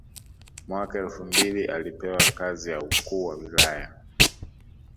Mwaka elfu mbili alipewa kazi ya Ukuu wa Wilaya